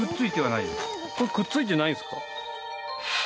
くっついてないんですか。